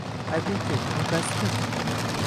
Ayting-chi, bugun qaysi kun